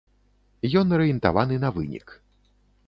Ён арыентаваны на вынік.